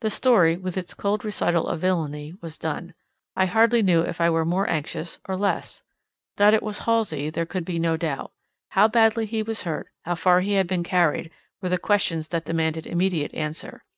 The story, with its cold recital of villainy, was done. I hardly knew if I were more anxious, or less. That it was Halsey, there could be no doubt. How badly he was hurt, how far he had been carried, were the questions that demanded immediate answer.